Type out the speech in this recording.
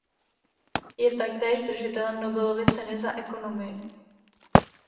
Je taktéž držitelem Nobelovy ceny za ekonomii.